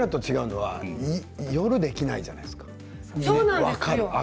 僕らと違うのは夜ができないじゃないですか。